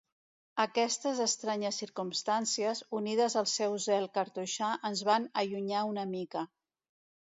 Aquestes estranyes circumstàncies, unides al seu zel cartoixà, ens van allunyar una mica.